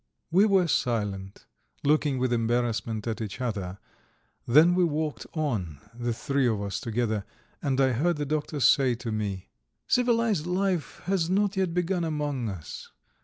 We were silent, looking with embarrassment at each other, then we walked on, the three of us together, and I heard the doctor say to me: "Civilized life has not yet begun among us.